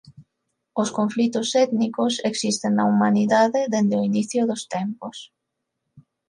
Os conflitos étnicos existen na humanidade dende o inicio dos tempos.